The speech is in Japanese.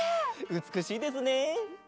うつくしいですね。